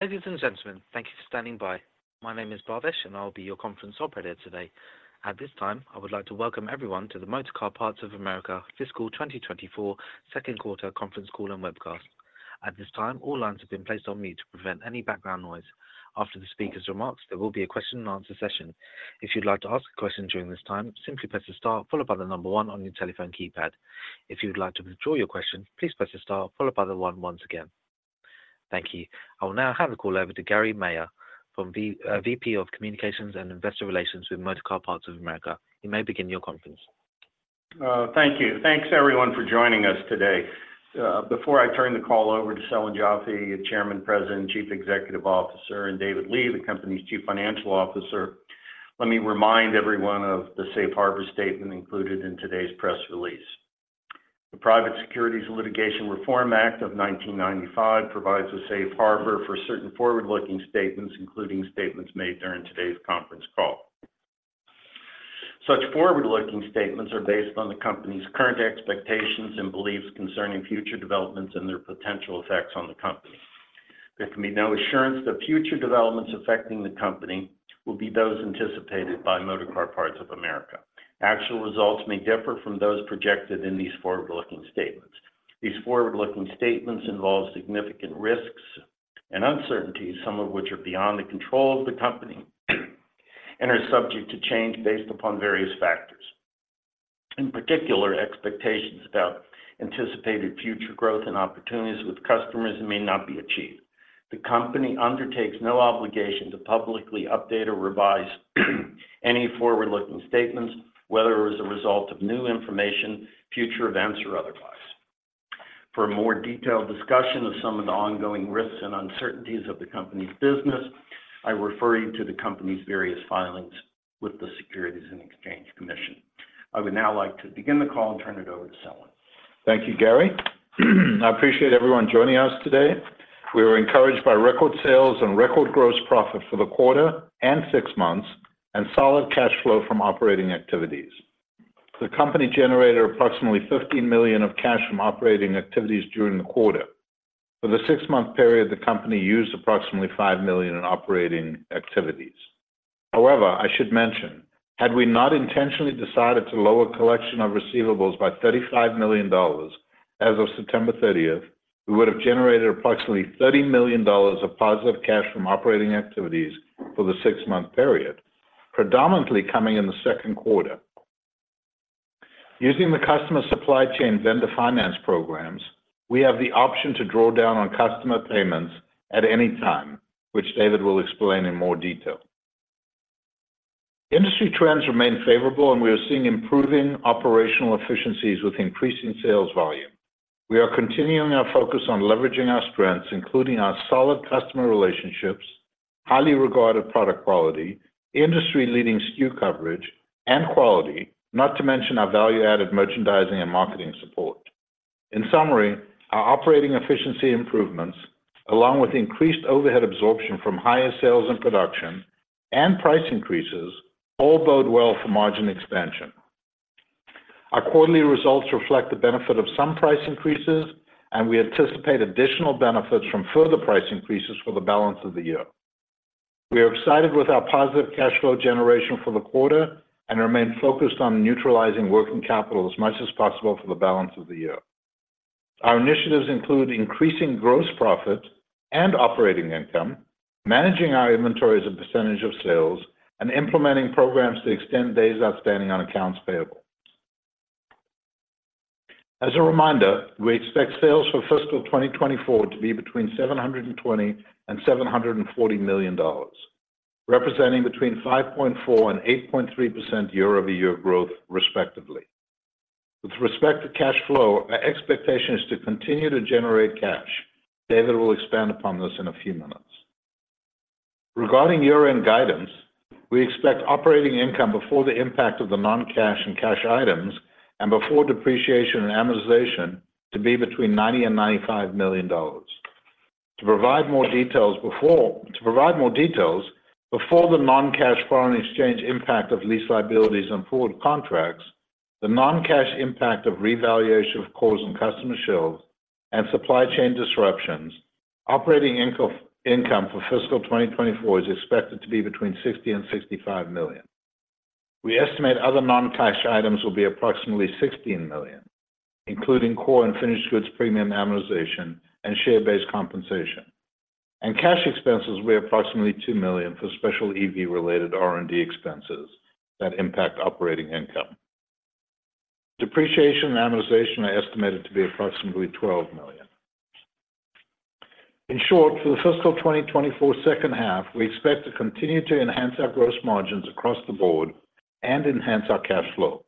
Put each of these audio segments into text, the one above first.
Ladies and gentlemen, thank you for standing by. My name is Bardesh, and I'll be your conference operator today. At this time, I would like to welcome everyone to the Motorcar Parts of America Fiscal 2024 Second Quarter Conference Call and Webcast. At this time, all lines have been placed on mute to prevent any background noise. After the speaker's remarks, there will be a question-and-answer session. If you'd like to ask a question during this time, simply press the star followed by the number one on your telephone keypad. If you would like to withdraw your question, please press the star followed by the one once again. Thank you. I will now hand the call over to Gary Maier from, VP of Communications and Investor Relations with Motorcar Parts of America. You may begin your conference. Thank you. Thanks everyone for joining us today. Before I turn the call over to Selwyn Joffe, Chairman, President, and Chief Executive Officer, and David Lee, the company's Chief Financial Officer, let me remind everyone of the safe harbor statement included in today's press release. The Private Securities Litigation Reform Act of 1995 provides a safe harbor for certain forward-looking statements, including statements made during today's conference call. Such forward-looking statements are based on the company's current expectations and beliefs concerning future developments and their potential effects on the company. There can be no assurance that future developments affecting the company will be those anticipated by Motorcar Parts of America. Actual results may differ from those projected in these forward-looking statements. These forward-looking statements involve significant risks and uncertainties, some of which are beyond the control of the company, and are subject to change based upon various factors. In particular, expectations about anticipated future growth and opportunities with customers may not be achieved. The company undertakes no obligation to publicly update or revise any forward-looking statements, whether as a result of new information, future events, or otherwise. For a more detailed discussion of some of the ongoing risks and uncertainties of the company's business, I refer you to the company's various filings with the Securities and Exchange Commission. I would now like to begin the call and turn it over to Selwyn. Thank you, Gary. I appreciate everyone joining us today. We are encouraged by record sales and record gross profit for the quarter and six months, and solid cash flow from operating activities. The company generated approximately $15 million of cash from operating activities during the quarter. For the six-month period, the company used approximately $5 million in operating activities. However, I should mention, had we not intentionally decided to lower collection of receivables by $35 million as of September 30th, we would have generated approximately $30 million of positive cash from operating activities for the six-month period, predominantly coming in the second quarter. Using the customer supply chain vendor finance programs, we have the option to draw down on customer payments at any time, which David will explain in more detail. Industry trends remain favorable, and we are seeing improving operational efficiencies with increasing sales volume. We are continuing our focus on leveraging our strengths, including our solid customer relationships, highly regarded product quality, industry-leading SKU coverage and quality, not to mention our value-added merchandising and marketing support. In summary, our operating efficiency improvements, along with increased overhead absorption from higher sales and production and price increases, all bode well for margin expansion. Our quarterly results reflect the benefit of some price increases, and we anticipate additional benefits from further price increases for the balance of the year. We are excited with our positive cash flow generation for the quarter and remain focused on neutralizing working capital as much as possible for the balance of the year. Our initiatives include increasing gross profit and operating income, managing our inventory as a percentage of sales, and implementing programs to extend days outstanding on accounts payable. As a reminder, we expect sales for fiscal 2024 to be between $720 million and $740 million, representing between 5.4% and 8.3% year-over-year growth, respectively. With respect to cash flow, our expectation is to continue to generate cash. David will expand upon this in a few minutes. Regarding year-end guidance, we expect operating income before the impact of the non-cash and cash items and before depreciation and amortization to be between $90 million and $95 million. To provide more details, before the non-cash foreign exchange impact of lease liabilities on forward contracts, the non-cash impact of revaluation of cores and customer shelves and supply chain disruptions, operating income for fiscal 2024 is expected to be between $60 million and $65 million. We estimate other non-cash items will be approximately $16 million, including core and finished goods premium amortization and share-based compensation. Cash expenses were approximately $2 million for special EV-related R&D expenses that impact operating income. Depreciation and amortization are estimated to be approximately $12 million. In short, for the fiscal 2024 second half, we expect to continue to enhance our gross margins across the board and enhance our cash flow.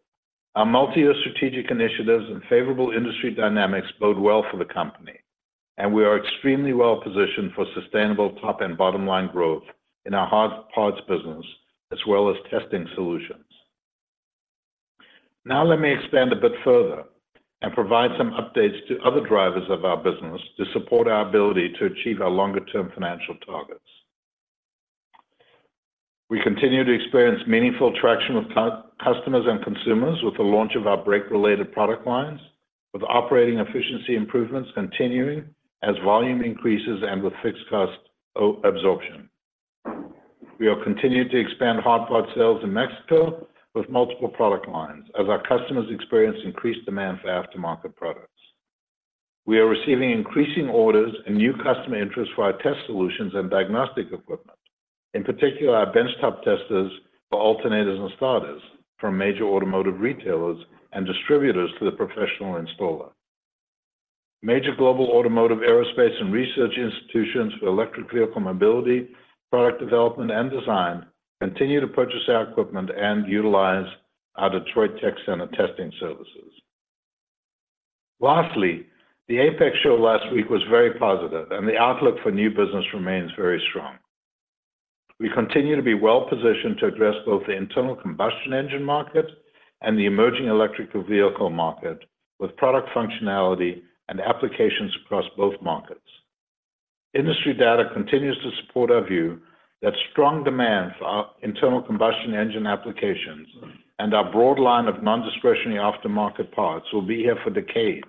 Our multi-year strategic initiatives and favorable industry dynamics bode well for the company, and we are extremely well positioned for sustainable top and bottom-line growth in our hard parts business, as well as testing solutions. Now, let me expand a bit further and provide some updates to other drivers of our business to support our ability to achieve our longer-term financial targets. We continue to experience meaningful traction with customers and consumers with the launch of our brake-related product lines, with operating efficiency improvements continuing as volume increases and with fixed cost absorption. We are continuing to expand hard part sales in Mexico with multiple product lines, as our customers experience increased demand for aftermarket products. We are receiving increasing orders and new customer interest for our test solutions and diagnostic equipment, in particular, our benchtop testers for alternators and starters from major automotive retailers and distributors to the professional installer. Major global automotive, aerospace, and research institutions for electric vehicle mobility, product development, and design continue to purchase our equipment and utilize our Detroit Tech Center testing services. Lastly, the AAPEX show last week was very positive, and the outlook for new business remains very strong. We continue to be well-positioned to address both the internal combustion engine market and the emerging electric vehicle market, with product functionality and applications across both markets. Industry data continues to support our view that strong demand for our internal combustion engine applications and our broad line of non-discretionary aftermarket parts will be here for decades,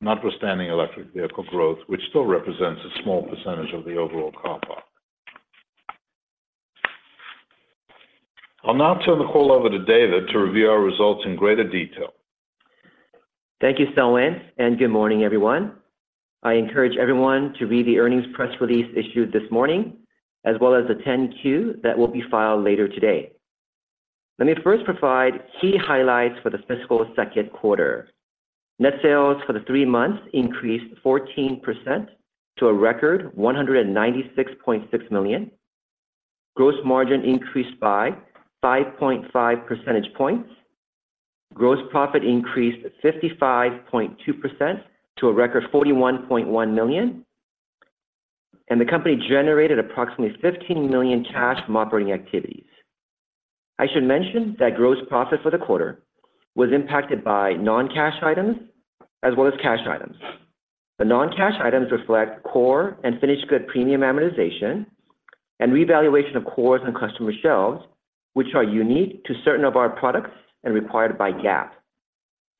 notwithstanding electric vehicle growth, which still represents a small percentage of the overall car park. I'll now turn the call over to David to review our results in greater detail. Thank you, Selwyn, and good morning, everyone. I encourage everyone to read the earnings press release issued this morning, as well as the 10-Q that will be filed later today. Let me first provide key highlights for the fiscal second quarter. Net sales for the three months increased 14% to a record $196.6 million. Gross margin increased by 5.5 percentage points. Gross profit increased 55.2% to a record $41.1 million, and the company generated approximately $15 million cash from operating activities. I should mention that gross profit for the quarter was impacted by non-cash items as well as cash items. The non-cash items reflect core and finished good premium amortization and revaluation of cores on customer shelves, which are unique to certain of our products and required by GAAP.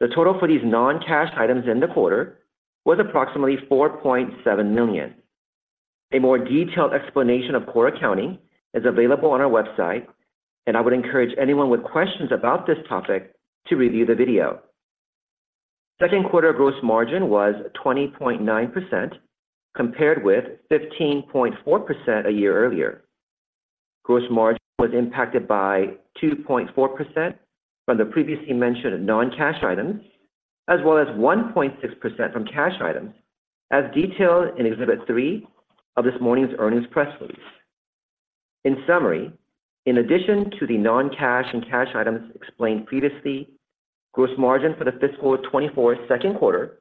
The total for these non-cash items in the quarter was approximately $4.7 million. A more detailed explanation of core accounting is available on our website, and I would encourage anyone with questions about this topic to review the video. Second quarter gross margin was 20.9%, compared with 15.4% a year earlier. Gross margin was impacted by 2.4% from the previously mentioned non-cash items, as well as 1.6% from cash items, as detailed in Exhibit 3 of this morning's earnings press release. In summary, in addition to the non-cash and cash items explained previously, gross margin for the fiscal 2024 second quarter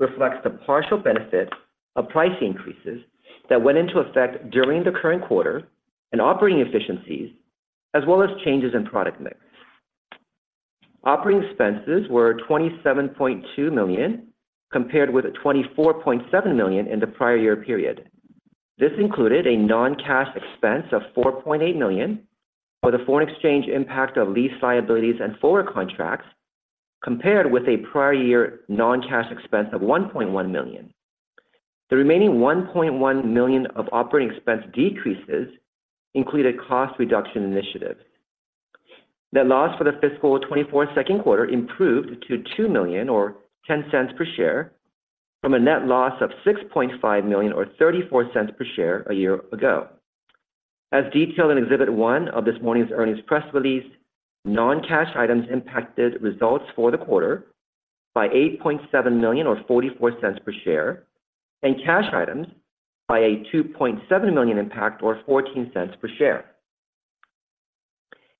reflects the partial benefit of price increases that went into effect during the current quarter and operating efficiencies, as well as changes in product mix. Operating expenses were $27.2 million, compared with $24.7 million in the prior year period. This included a non-cash expense of $4.8 million, with a foreign exchange impact of lease liabilities and forward contracts, compared with a prior year non-cash expense of $1.1 million. The remaining $1.1 million of operating expense decreases included cost reduction initiative. Net loss for the fiscal 2024 second quarter improved to $2 million or $0.10 per share from a net loss of $6.5 million or $0.34 per share a year ago. As detailed in Exhibit 1 of this morning's earnings press release, non-cash items impacted results for the quarter by $8.7 million or $0.44 per share, and cash items by a $2.7 million impact or $0.14 per share.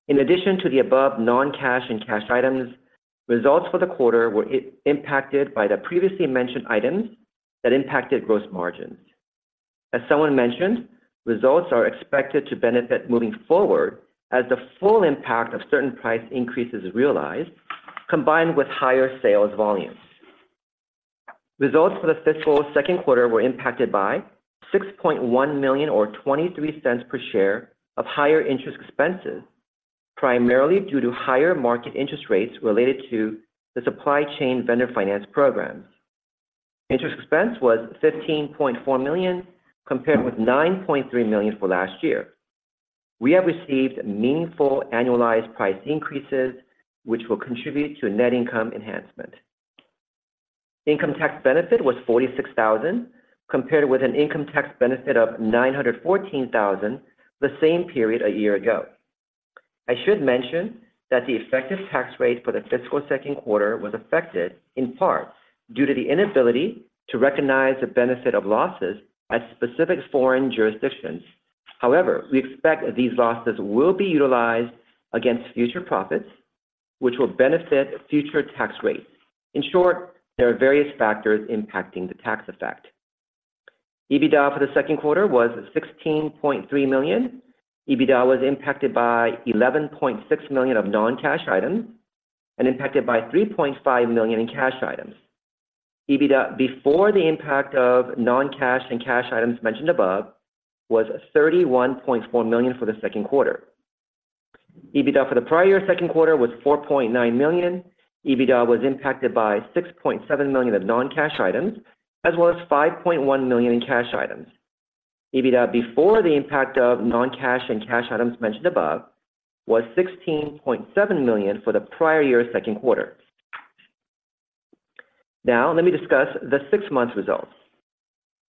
In addition to the above non-cash and cash items, results for the quarter were impacted by the previously mentioned items that impacted gross margins. As someone mentioned, results are expected to benefit moving forward as the full impact of certain price increases is realized, combined with higher sales volumes. Results for the fiscal second quarter were impacted by $6.1 million or $0.23 per share of higher interest expenses, primarily due to higher market interest rates related to the supply chain vendor finance programs. Interest expense was $15.4 million, compared with $9.3 million for last year. We have received meaningful annualized price increases, which will contribute to a net income enhancement. Income tax benefit was $46 thousand, compared with an income tax benefit of $914 thousand, the same period a year ago. I should mention that the effective tax rate for the fiscal second quarter was affected in part due to the inability to recognize the benefit of losses at specific foreign jurisdictions. However, we expect that these losses will be utilized against future profits, which will benefit future tax rates. In short, there are various factors impacting the tax effect. EBITDA for the second quarter was $16.3 million. EBITDA was impacted by $11.6 million of non-cash items and impacted by $3.5 million in cash items. EBITDA before the impact of non-cash and cash items mentioned above was $31.4 million for the second quarter. EBITDA for the prior year's second quarter was $4.9 million. EBITDA was impacted by $6.7 million of non-cash items, as well as $5.1 million in cash items. EBITDA before the impact of non-cash and cash items mentioned above was $16.7 million for the prior year's second quarter. Now, let me discuss the six months results.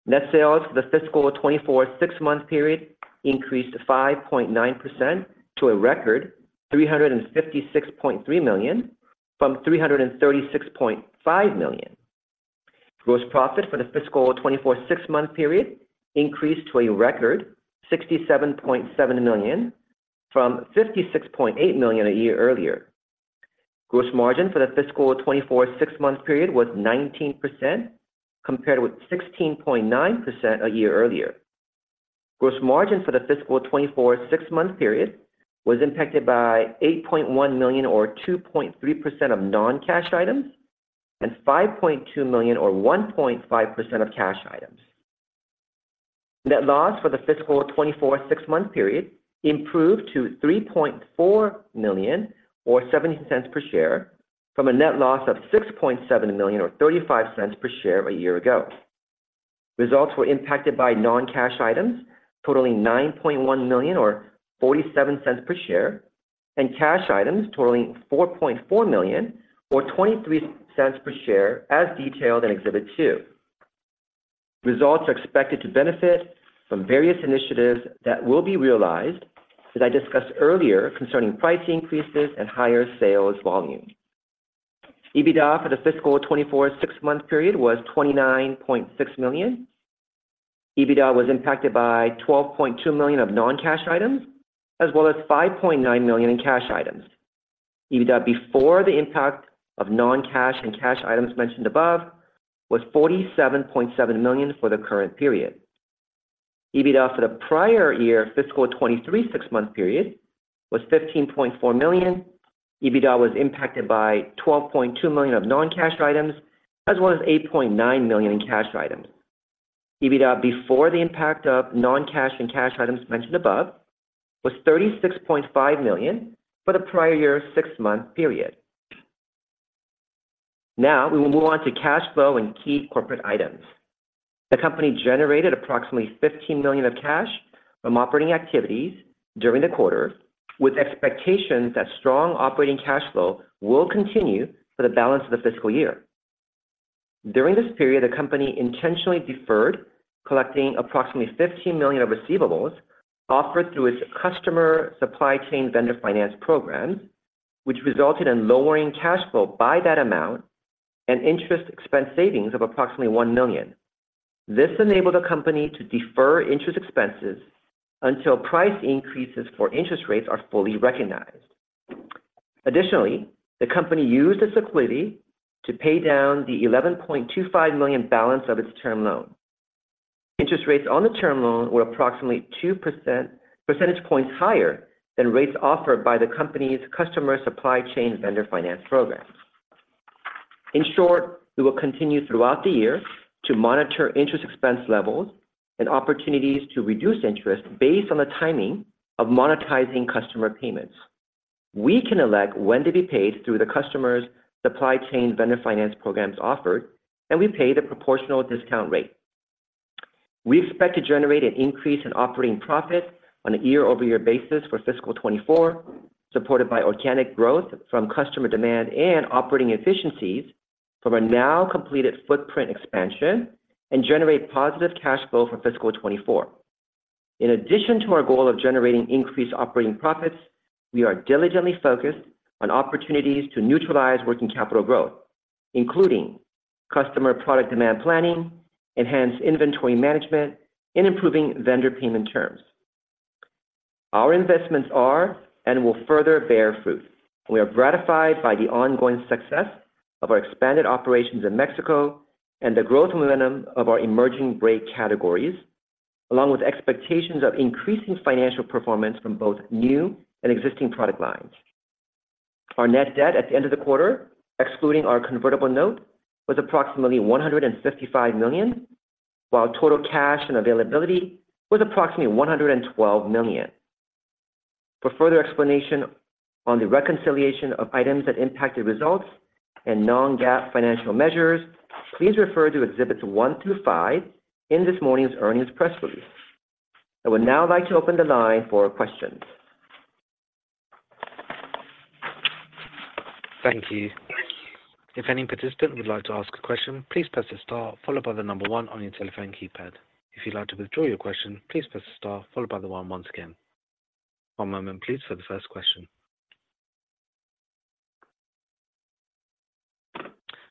Net sales for the fiscal 2024 six-month period increased 5.9% to a record $356.3 million, from $336.5 million. Gross profit for the fiscal 2024 six-month period increased to a record $67.7 million, from $56.8 million a year earlier. Gross margin for the fiscal 2024 six-month period was 19%, compared with 16.9% a year earlier. Gross margin for the fiscal 2024 six-month period was impacted by $8.1 million, or 2.3% of non-cash items, and $5.2 million, or 1.5% of cash items. Net loss for the fiscal 2024 six-month period improved to $3.4 million, or $0.70 per share, from a net loss of $6.7 million, or $0.35 per share a year ago. Results were impacted by non-cash items totaling $9.1 million or $0.47 per share, and cash items totaling $4.4 million or $0.23 per share, as detailed in Exhibit 2. Results are expected to benefit from various initiatives that will be realized, that I discussed earlier, concerning price increases and higher sales volume. EBITDA for the fiscal 2024 six-month period was $29.6 million. EBITDA was impacted by $12.2 million of non-cash items, as well as $5.9 million in cash items. EBITDA before the impact of non-cash and cash items mentioned above was $47.7 million for the current period. EBITDA for the prior year, fiscal 2023 six-month period, was $15.4 million. EBITDA was impacted by $12.2 million of non-cash items, as well as $8.9 million in cash items. EBITDA before the impact of non-cash and cash items mentioned above was $36.5 million for the prior year's six-month period. Now, we will move on to cash flow and key corporate items. The company generated approximately $15 million of cash from operating activities during the quarter, with expectations that strong operating cash flow will continue for the balance of the fiscal year. During this period, the company intentionally deferred collecting approximately $15 million of receivables offered through its customer supply chain vendor finance program, which resulted in lowering cash flow by that amount and interest expense savings of approximately $1 million. This enabled the company to defer interest expenses until price increases for interest rates are fully recognized. Additionally, the company used this liquidity to pay down the $11.25 million balance of its term loan. Interest rates on the term loan were approximately two percentage points higher than rates offered by the company's customer supply chain vendor finance program. In short, we will continue throughout the year to monitor interest expense levels and opportunities to reduce interest based on the timing of monetizing customer payments. We can elect when to be paid through the customer's supply chain vendor finance programs offered, and we pay the proportional discount rate. We expect to generate an increase in operating profit on a year-over-year basis for fiscal 2024, supported by organic growth from customer demand and operating efficiencies from our now completed footprint expansion, and generate positive cash flow for fiscal 2024. In addition to our goal of generating increased operating profits, we are diligently focused on opportunities to neutralize working capital growth, including customer product demand planning, enhanced inventory management, and improving vendor payment terms. Our investments are and will further bear fruit. We are gratified by the ongoing success of our expanded operations in Mexico and the growth momentum of our emerging brake categories, along with expectations of increasing financial performance from both new and existing product lines. Our net debt at the end of the quarter, excluding our convertible note, was approximately $155 million, while total cash and availability was approximately $112 million. For further explanation on the reconciliation of items that impacted results and non-GAAP financial measures, please refer to Exhibits 1 through 5 in this morning's earnings press release. I would now like to open the line for questions. Thank you. If any participant would like to ask a question, please press star followed by the number one on your telephone keypad. If you'd like to withdraw your question, please press star followed by the oneonce again. One moment, please, for the first question.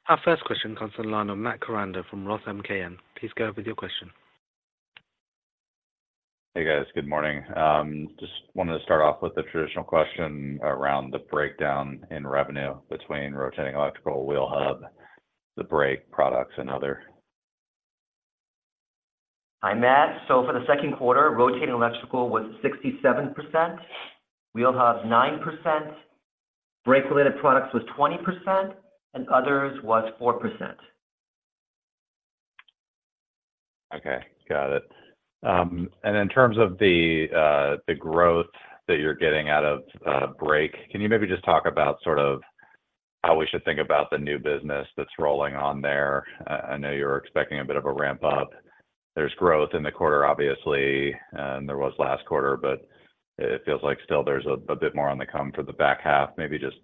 Our first question comes on the line from Matt Koranda from Roth MKM. Please go ahead with your question. Hey, guys. Good morning. Just wanted to start off with the traditional question around the breakdown in revenue between rotating electrical, wheel hub, the brake products, and other? Hi, Matt. For the second quarter, Rotating Electrical was 67%, wheel hub 9%, brake-related products was 20%, and others was 4%. Okay, got it. And in terms of the growth that you're getting out of brake, can you maybe just talk about sort of how we should think about the new business that's rolling on there? I know you were expecting a bit of a ramp up. There's growth in the quarter, obviously, and there was last quarter, but it feels like still there's a bit more on the come for the back half. Maybe just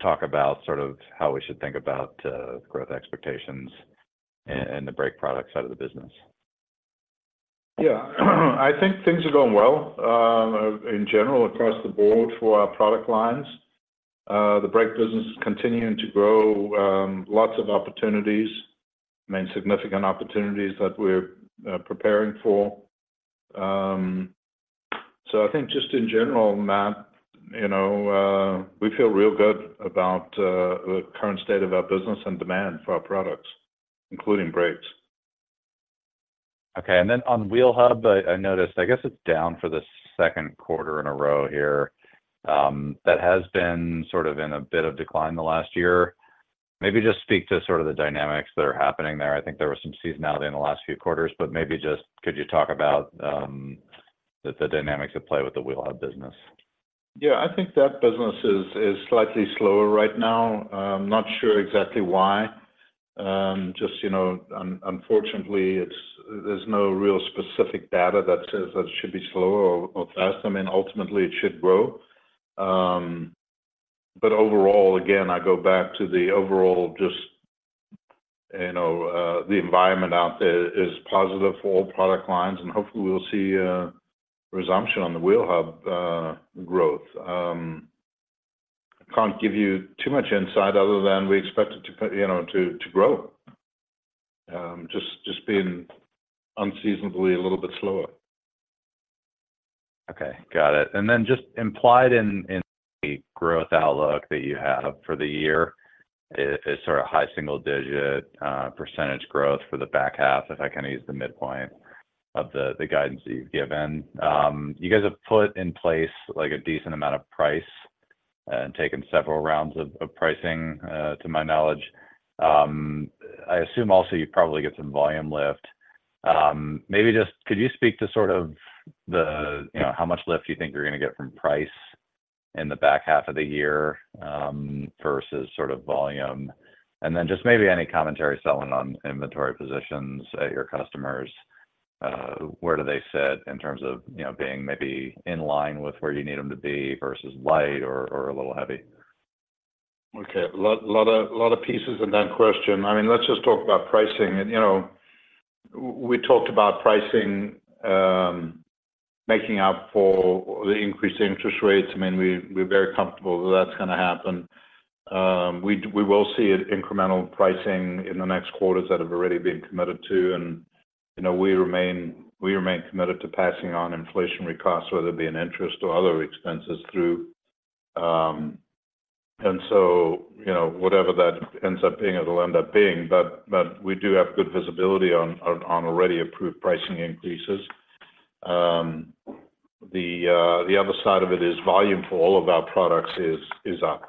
talk about sort of how we should think about growth expectations and the brake product side of the business. Yeah. I think things are going well, in general, across the board for our product lines. The brake business is continuing to grow, lots of opportunities, many significant opportunities that we're preparing for. So I think just in general, Matt, you know, we feel real good about the current state of our business and demand for our products, including brakes. Okay, and then on wheel hub, I noticed, I guess it's down for the second quarter in a row here. That has been sort of in a bit of decline in the last year. Maybe just speak to sort of the dynamics that are happening there. I think there was some seasonality in the last few quarters, but maybe just could you talk about the dynamics at play with the wheel hub business? Yeah, I think that business is slightly slower right now. I'm not sure exactly why. Just, you know, unfortunately, there's no real specific data that says that it should be slower or faster. I mean, ultimately, it should grow. But overall, again, I go back to the overall just, you know, the environment out there is positive for all product lines, and hopefully, we'll see a resumption on the wheel hub growth. I can't give you too much insight other than we expect it to, you know, to grow. Just being unseasonably a little bit slower. Okay, got it. And then, just implied in the growth outlook that you have for the year is sort of high single digit % growth for the back half, if I can use the midpoint of the guidance that you've given. You guys have put in place, like, a decent amount of price and taken several rounds of pricing to my knowledge. I assume also you probably get some volume lift. Maybe just could you speak to sort of the, you know, how much lift you think you're gonna get from price in the back half of the year versus sort of volume? Then just maybe any commentary selling on inventory positions at your customers, where do they sit in terms of, you know, being maybe in line with where you need them to be versus light or, or a little heavy? Okay. A lot of pieces in that question. I mean, let's just talk about pricing. And, you know, we talked about pricing making up for the increased interest rates. I mean, we're very comfortable that that's gonna happen. We will see an incremental pricing in the next quarters that have already been committed to, and, you know, we remain committed to passing on inflationary costs, whether it be in interest or other expenses through. And so, you know, whatever that ends up being, it'll end up being, but we do have good visibility on already approved pricing increases. The other side of it is volume for all of our products is up,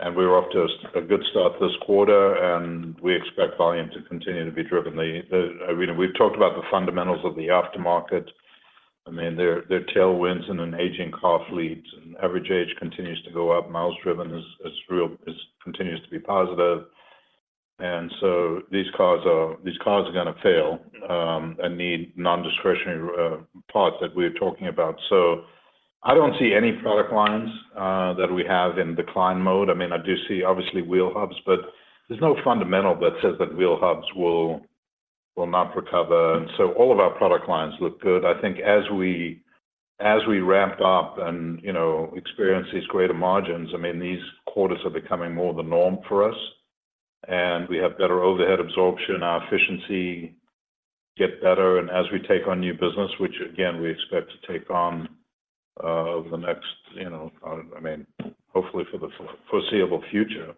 and we're off to a good start this quarter, and we expect volume to continue to be driven. I mean, we've talked about the fundamentals of the aftermarket. I mean, there are tailwinds and an aging car fleet, and average age continues to go up. Miles driven is real, continues to be positive. And so these cars are gonna fail and need nondiscretionary parts that we're talking about. So I don't see any product lines that we have in decline mode. I mean, I do see obviously wheel hubs, but there's no fundamental that says that wheel hubs will not recover. And so all of our product lines look good. I think as we ramp up and, you know, experience these greater margins, I mean, these quarters are becoming more the norm for us, and we have better overhead absorption, our efficiency get better, and as we take on new business, which again, we expect to take on over the next, you know, I mean, hopefully for the foreseeable future,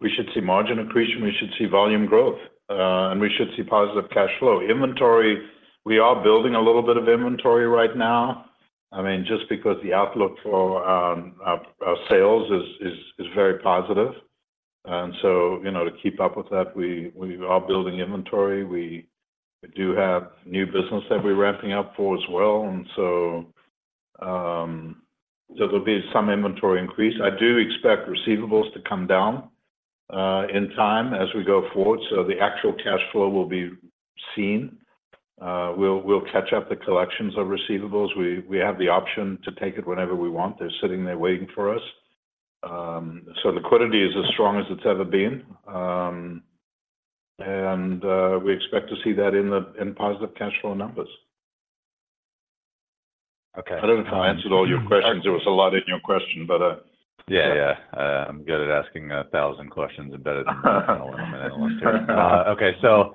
we should see margin accretion, we should see volume growth, and we should see positive cash flow. Inventory, we are building a little bit of inventory right now. I mean, just because the outlook for our sales is very positive, and so, you know, to keep up with that, we are building inventory. We do have new business that we're ramping up for as well, and so, there'll be some inventory increase. I do expect receivables to come down, in time as we go forward, so the actual cash flow will be seen. We'll, we'll catch up the collections of receivables. We, we have the option to take it whenever we want. They're sitting there waiting for us. So liquidity is as strong as it's ever been, and, we expect to see that in the, in positive cash flow numbers. Okay. I don't know if I answered all your questions. There was a lot in your question, but, Yeah, yeah. I'm good at asking 1,000 questions and better than in a little minute. Okay, so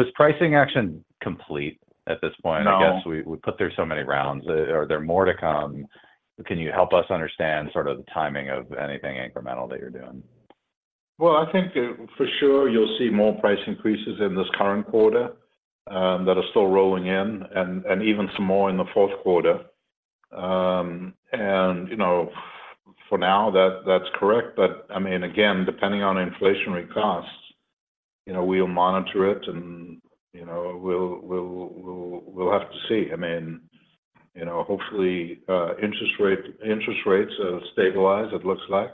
is pricing action complete at this point? No. I guess we put through so many rounds. Are there more to come? Can you help us understand sort of the timing of anything incremental that you're doing? Well, I think for sure you'll see more price increases in this current quarter, that are still rolling in and even some more in the fourth quarter. And you know, for now, that's correct. But I mean, again, depending on inflationary costs, you know, we'll monitor it and, you know, we'll have to see. I mean, you know, hopefully, interest rates stabilize, it looks like,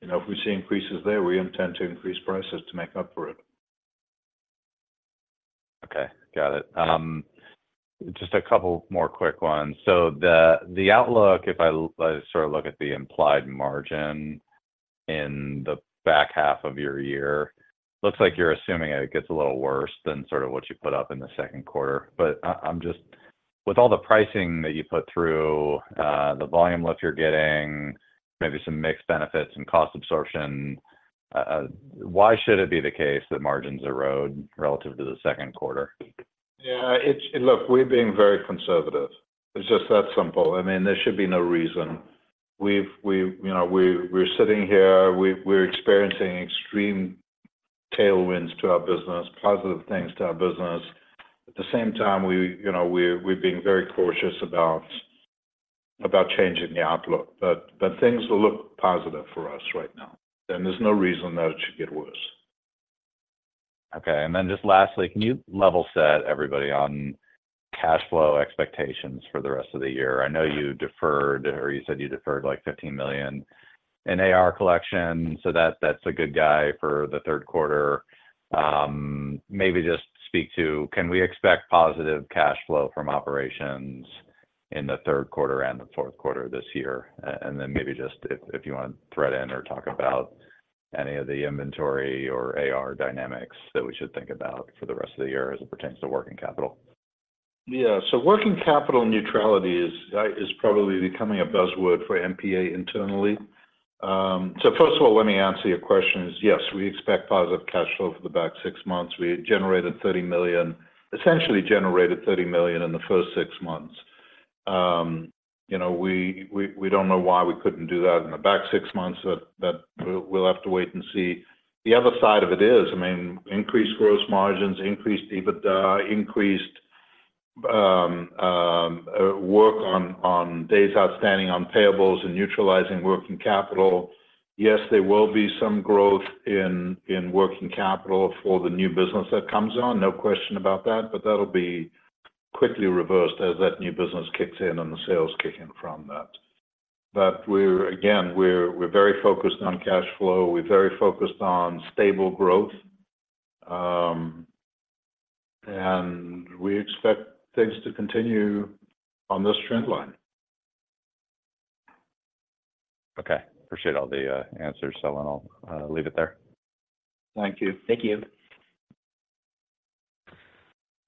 but, you know, if we see increases there, we intend to increase prices to make up for it. Okay, got it. Just a couple more quick ones. So the outlook, if I sort of look at the implied margin in the back half of your year, looks like you're assuming it gets a little worse than sort of what you put up in the second quarter. But I'm just—with all the pricing that you put through, the volume lift you're getting, maybe some mixed benefits and cost absorption, why should it be the case that margins erode relative to the second quarter? Yeah, it's. Look, we're being very conservative. It's just that simple. I mean, there should be no reason. We, you know, we're sitting here, we're experiencing extreme tailwinds to our business, positive things to our business. At the same time, we, you know, we're being very cautious about changing the outlook, but things look positive for us right now, and there's no reason that it should get worse. Okay. And then just lastly, can you level set everybody on cash flow expectations for the rest of the year? I know you deferred or you said you deferred like $15 million in AR collection, so that's a good guy for the third quarter. Maybe just speak to, can we expect positive cash flow from operations in the third quarter and the fourth quarter this year? And then maybe just if you want to thread in or talk about any of the inventory or AR dynamics that we should think about for the rest of the year as it pertains to working capital. Yeah. So working capital neutrality is probably becoming a buzzword for MPA internally. So first of all, let me answer your question: yes, we expect positive cash flow for the back six months. We generated $30 million—essentially generated $30 million in the first six months. You know, we don't know why we couldn't do that in the back six months, but we'll have to wait and see. The other side of it is, I mean, increased gross margins, increased EBITDA, increased work on days outstanding on payables and neutralizing working capital. Yes, there will be some growth in working capital for the new business that comes on, no question about that, but that'll be quickly reversed as that new business kicks in and the sales kick in from that. But again, we're very focused on cash flow, we're very focused on stable growth, and we expect things to continue on this trend line. Okay. Appreciate all the answers, so then I'll leave it there. Thank you. Thank you.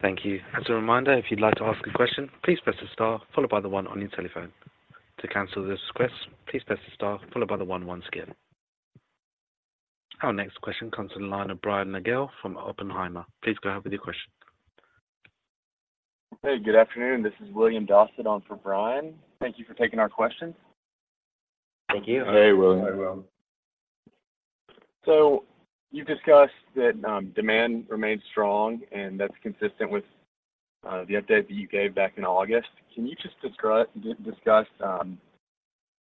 Thank you. As a reminder, if you'd like to ask a question, please press the star followed by the one on your telephone. To cancel this request, please press the star followed by the one one again. Our next question comes on the line of Brian Nagel from Oppenheimer. Please go ahead with your question. Hey, good afternoon, this is William Dossett on for Brian. Thank you for taking our questions. Thank you. Hey, William. Hey, William. So you've discussed that, demand remains strong, and that's consistent with the update that you gave back in August. Can you just discuss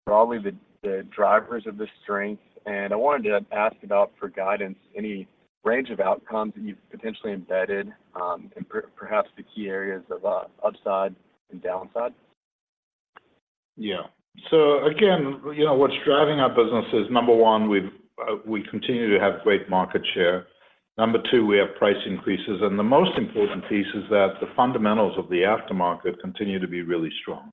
probably the drivers of this strength? And I wanted to ask about for guidance, any range of outcomes that you've potentially embedded, and perhaps the key areas of upside and downside. Yeah. So again, you know, what's driving our business is, number one, we continue to have great market share. Number two, we have price increases, and the most important piece is that the fundamentals of the aftermarket continue to be really strong.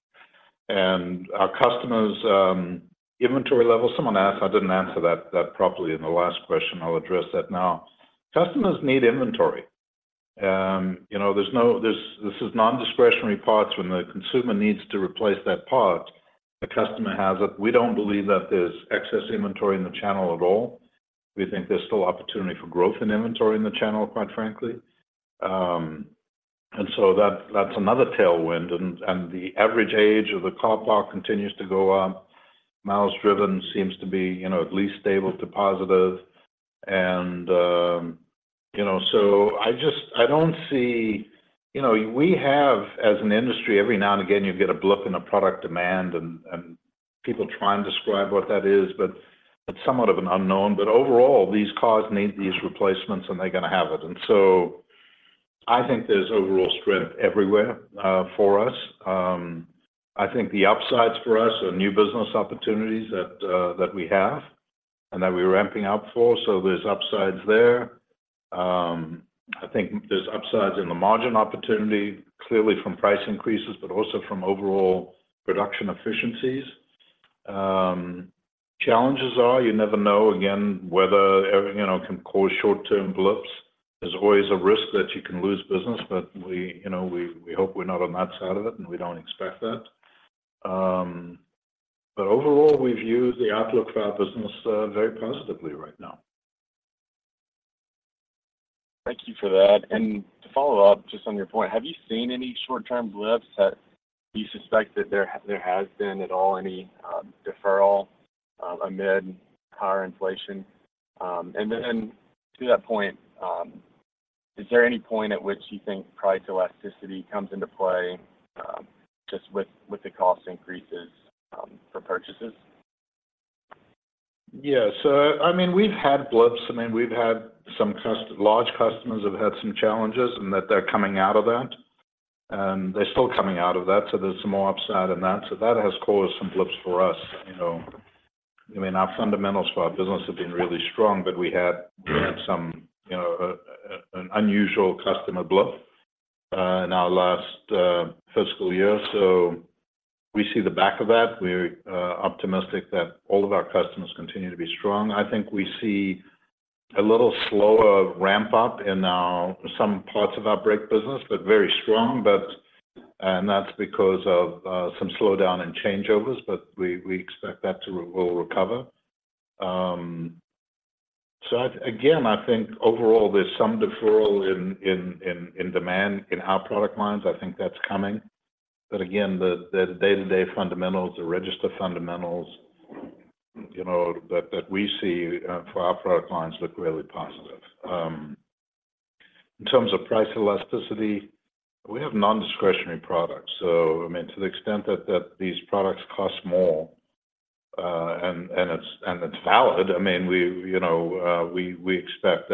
And our customers' inventory levels, someone asked, I didn't answer that properly in the last question. I'll address that now. Customers need inventory. You know, this is non-discretionary parts. When the consumer needs to replace that part, the customer has it. We don't believe that there's excess inventory in the channel at all. We think there's still opportunity for growth in inventory in the channel, quite frankly. And so that's another tailwind, and the average age of the car park continues to go up. Miles driven seems to be, you know, at least stable to positive, and, you know, so I just I don't see. You know, we have, as an industry, every now and again, you get a blip in a product demand, and people try and describe what that is, but it's somewhat of an unknown. But overall, these cars need these replacements, and they're gonna have it. And so I think there's overall strength everywhere, for us. I think the upsides for us are new business opportunities that we have and that we're ramping up for, so there's upsides there. I think there's upsides in the margin opportunity, clearly from price increases, but also from overall production efficiencies. Challenges are, you never know, again, whether every, you know, can cause short-term blips. There's always a risk that you can lose business, but we, you know, we, we hope we're not on that side of it, and we don't expect that. But overall, we view the outlook for our business very positively right now. Thank you for that. To follow up just on your point, have you seen any short-term blips that you suspect there has been at all any deferral amid higher inflation? Then to that point, is there any point at which you think price elasticity comes into play just with the cost increases for purchases? Yeah. So, I mean, we've had blips. I mean, we've had some large customers have had some challenges, and that they're coming out of that, and they're still coming out of that, so there's some more upside in that. So that has caused some blips for us, you know. I mean, our fundamentals for our business have been really strong, but we had. Mm-hmm We had some, you know, an unusual customer blip, in our last, fiscal year. So we see the back of that. We're, optimistic that all of our customers continue to be strong. I think we see a little slower ramp up in our some parts of our brake business, but very strong. But and that's because of, some slowdown in changeovers, but we expect that to will recover. So I again, I think overall, there's some deferral in demand in our product lines. I think that's coming. But again, the day-to-day fundamentals, the register fundamentals, you know, that we see, for our product lines look really positive. In terms of price elasticity, we have non-discretionary products. So, I mean, to the extent that these products cost more, and it's valid. I mean, we, you know, we expect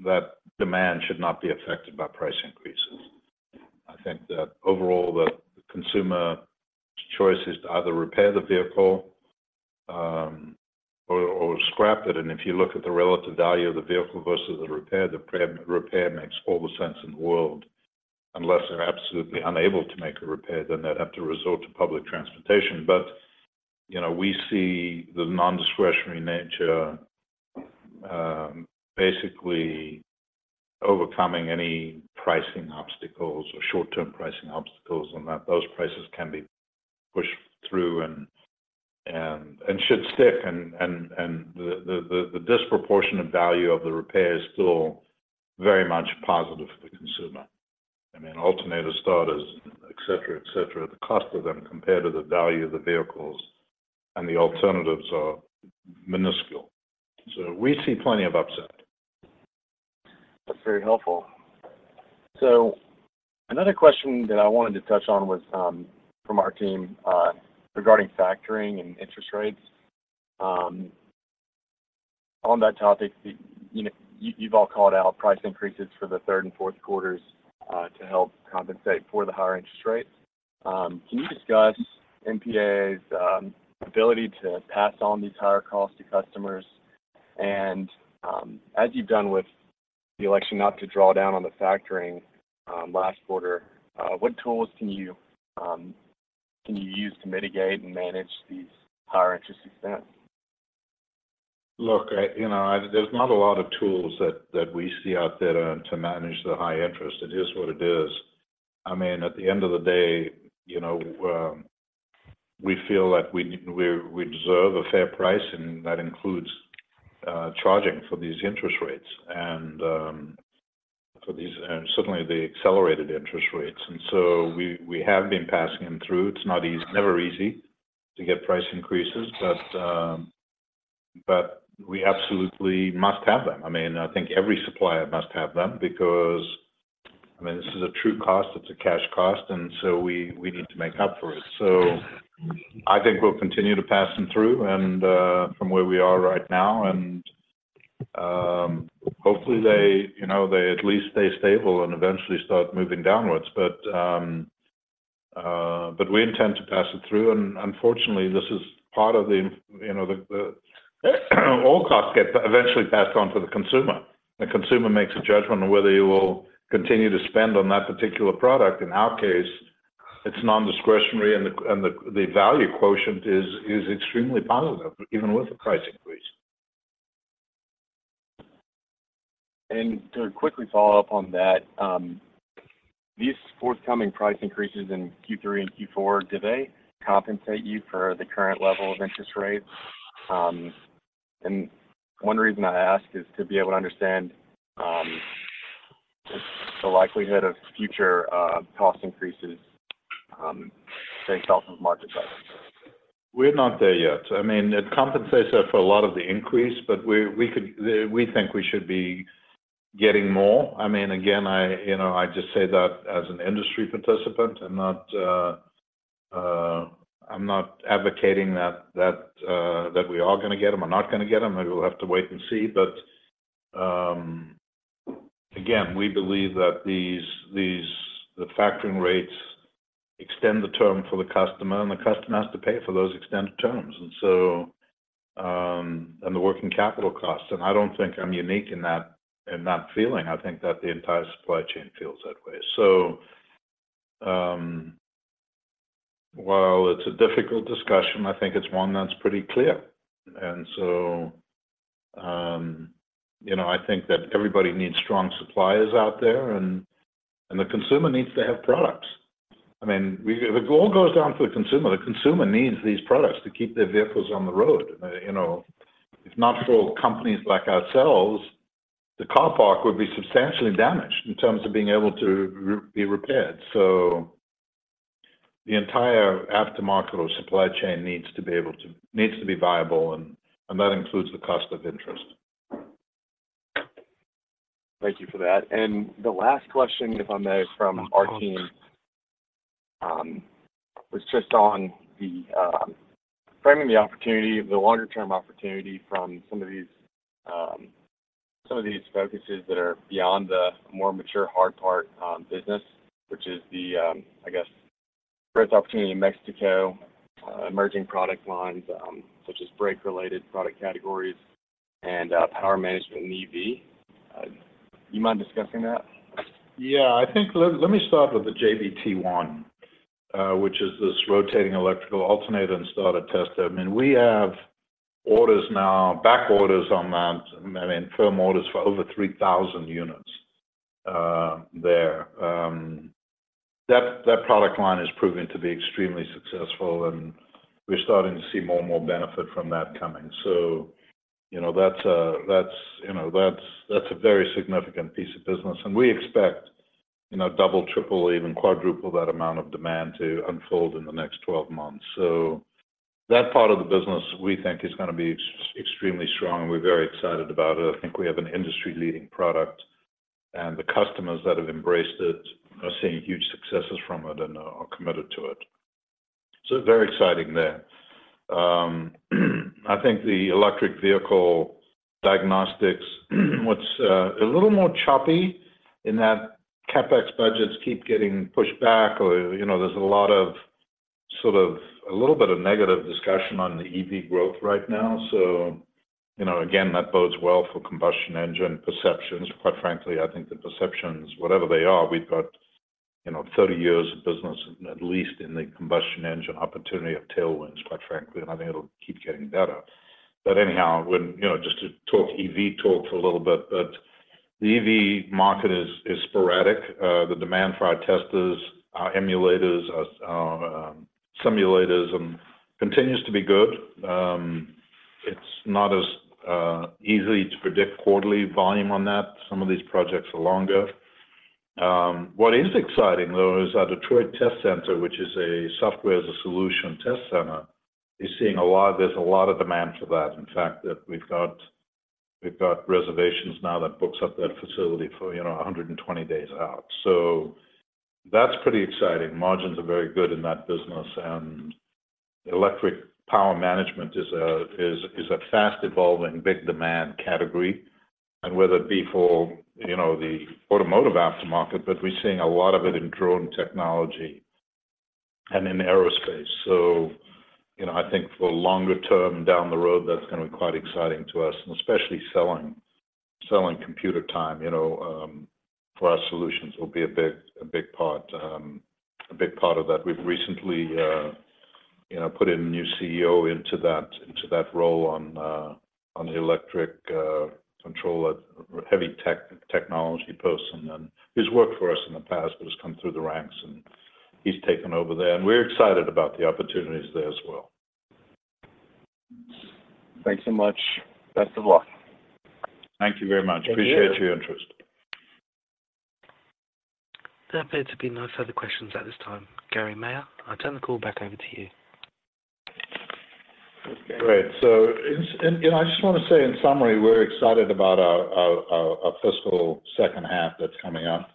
that demand should not be affected by price increases. I think that overall, the consumer's choice is to either repair the vehicle or scrap it. And if you look at the relative value of the vehicle versus the repair, the repair makes all the sense in the world. Unless they're absolutely unable to make a repair, then they'd have to resort to public transportation. But, you know, we see the non-discretionary nature basically overcoming any pricing obstacles or short-term pricing obstacles, and that those prices can be pushed through and should stick. And the disproportion value of the repair is still very much positive for the consumer. I mean, alternator, starters, et cetera, et cetera, the cost of them compared to the value of the vehicles and the alternatives are minuscule. So we see plenty of upside. That's very helpful. So another question that I wanted to touch on was, from our team, regarding factoring and interest rates. On that topic, you know, you've all called out price increases for the third and fourth quarters, to help compensate for the higher interest rates. Can you discuss MPA's ability to pass on these higher costs to customers? And, as you've done with the decision not to draw down on the factoring, last quarter, what tools can you use to mitigate and manage these higher interest expense? Look, you know, there's not a lot of tools that we see out there to manage the high interest. It is what it is. I mean, at the end of the day, you know, we feel like we deserve a fair price, and that includes charging for these interest rates and for these and certainly the accelerated interest rates. And so we have been passing them through. It's not easy, never easy to get price increases, but we absolutely must have them. I mean, I think every supplier must have them because, I mean, this is a true cost, it's a cash cost, and so we need to make up for it. So I think we'll continue to pass them through, and from where we are right now, and hopefully they, you know, they at least stay stable and eventually start moving downwards. But we intend to pass it through, and unfortunately, this is part of the, you know, all costs get eventually passed on to the consumer. The consumer makes a judgment on whether you will continue to spend on that particular product. In our case, it's non-discretionary, and the value quotient is extremely positive, even with the price increase. To quickly follow up on that, these forthcoming price increases in Q3 and Q4, do they compensate you for the current level of interest rates? One reason I ask is to be able to understand the likelihood of future cost increases stemming from market cycles. We're not there yet. I mean, it compensates her for a lot of the increase, but we, we could-- we think we should be getting more. I mean, again, you know, I just say that as an industry participant, I'm not advocating that, that we are gonna get them or not gonna get them. I will have to wait and see. But, again, we believe that the factoring rates extend the term for the customer, and the customer has to pay for those extended terms. And so, and the working capital costs, and I don't think I'm unique in that, in that feeling. I think that the entire supply chain feels that way. So, while it's a difficult discussion, I think it's one that's pretty clear, and so. You know, I think that everybody needs strong suppliers out there, and, and the consumer needs to have products. I mean, we, it all goes down to the consumer. The consumer needs these products to keep their vehicles on the road. You know, if not for companies like ourselves, the car park would be substantially damaged in terms of being able to be repaired. So the entire aftermarket or supply chain needs to be able to, needs to be viable, and, and that includes the cost of interest. Thank you for that. And the last question, if I may, from our team, was just on the framing the opportunity, the longer-term opportunity from some of these some of these focuses that are beyond the more mature hard part business, which is the I guess growth opportunity in Mexico, emerging product lines such as brake-related product categories and power management and EV. You mind discussing that? Yeah. I think let me start with the JBT-1, which is this rotating electrical alternator and starter tester. I mean, we have orders now, back orders on that, I mean, firm orders for over 3,000 units there. That product line has proven to be extremely successful, and we're starting to see more and more benefit from that coming. So, you know, that's, you know, that's a very significant piece of business, and we expect, you know, double, triple, even quadruple that amount of demand to unfold in the next 12 months. So that part of the business we think is gonna be extremely strong. We're very excited about it. I think we have an industry-leading product, and the customers that have embraced it are seeing huge successes from it and are committed to it. So very exciting there. I think the electric vehicle diagnostics, what's, a little more choppy in that CapEx budgets keep getting pushed back or, you know, there's a lot of, sort of a little bit of negative discussion on the EV growth right now, so, you know, again, that bodes well for combustion engine perceptions. Quite frankly, I think the perceptions, whatever they are, we've got, you know, 30 years of business, at least in the combustion engine opportunity of tailwinds, quite frankly, and I think it'll keep getting better. But anyhow, when-- you know, just to talk EV talk for a little bit, but the EV market is sporadic. The demand for our testers, our emulators, as our, simulators, continues to be good. It's not as easy to predict quarterly volume on that. Some of these projects are longer. What is exciting, though, is our Detroit Test Center, which is a software as a solution test center, is seeing a lot, there's a lot of demand for that. In fact, we've got reservations now that book up that facility for, you know, 100 days out. So that's pretty exciting. Margins are very good in that business, and electric power management is a fast-evolving, big demand category, and whether it be for, you know, the automotive aftermarket, but we're seeing a lot of it in drone technology and in aerospace. So, you know, I think for the longer term, down the road, that's gonna be quite exciting to us, and especially selling computer time, you know, for our solutions will be a big part of that. We've recently, you know, put in a new CEO into that, into that role on, on the electric, controller, heavy technology posts. He's worked for us in the past but has come through the ranks, and he's taken over there, and we're excited about the opportunities there as well. Thanks so much. Best of luck. Thank you very much. Thank you. Appreciate your interest. There appear to be no further questions at this time. Gary Maier, I turn the call back over to you. Great. So, you know, I just wanna say in summary, we're excited about our fiscal second half that's coming up.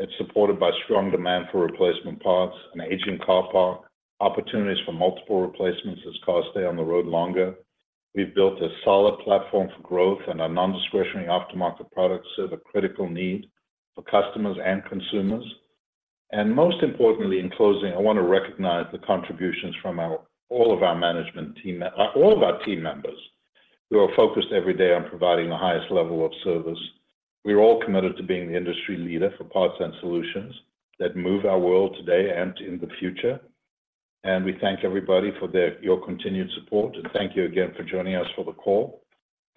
It's supported by strong demand for replacement parts, an aging car park, opportunities for multiple replacements as cars stay on the road longer. We've built a solid platform for growth, and our non-discretionary aftermarket products serve a critical need for customers and consumers. And most importantly, in closing, I want to recognize the contributions from all of our team members, who are focused every day on providing the highest level of service. We're all committed to being the industry leader for parts and solutions that move our world today and in the future, and we thank everybody for your continued support, and thank you again for joining us for the call.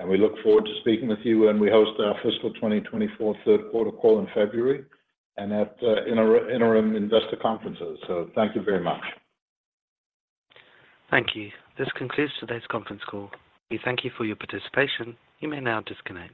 We look forward to speaking with you when we host our fiscal 2024 third quarter call in February and at interim investor conferences. Thank you very much. Thank you. This concludes today's conference call. We thank you for your participation. You may now disconnect.